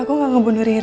aku gak mau bunuh rik